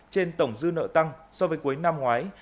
trên tổng dư nợ tăng so với cuối năm ngoái